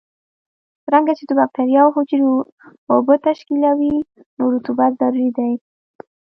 څرنګه چې د بکټریاوو حجرې اوبه تشکیلوي نو رطوبت ضروري دی.